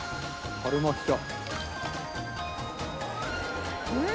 春巻きだ。